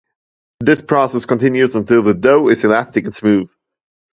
This process continues until the dough is elastic and smooth.